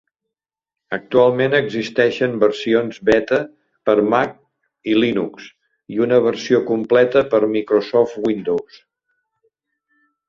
Actualment existeixen versions beta per Mac i Linux, i una versió completa per Microsoft Windows.